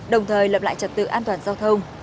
đồng thời lập lại trật tự an toàn giao thông